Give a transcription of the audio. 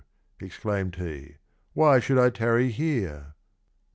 exclaimed he, " Why should I tarry here?"